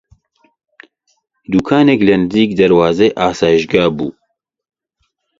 دووکانێک لە نزیک دەروازەی ئاسایشگا بوو